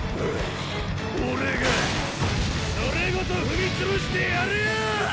オレがそれごと踏み潰してやるよ！